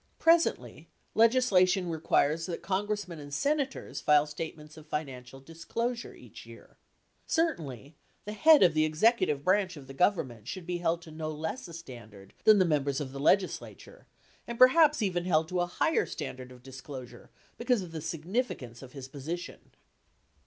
Presently, legislation requires that Congressmen and Senators file statements of financial disclosure each year. Certainly, the head of the executive branch of the Government should be held to no less a standard than the Members of the Legislature, and perhaps even held to a higher standard of disclosure because of the significance of his position.